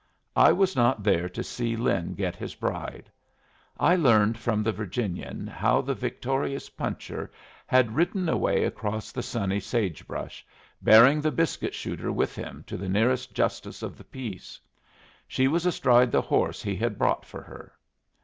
I was not there to see Lin get his bride. I learned from the Virginian how the victorious puncher had ridden away across the sunny sagebrush, bearing the biscuit shooter with him to the nearest justice of the peace. She was astride the horse he had brought for her.